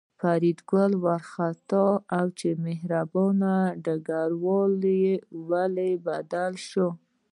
فریدګل وارخطا و چې مهربان ډګروال ولې بدل شو